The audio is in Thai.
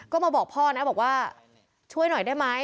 ก็มาบอกพ่อนะบอกว่าช่วยหน่อยได้ไหม